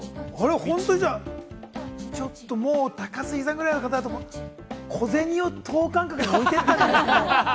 本当にちょっともう高杉さんぐらいの方だと小銭を等間隔に置いてったんじゃないですか？